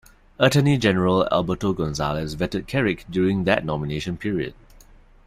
Attorney General Alberto Gonzales vetted Kerik during that nomination period.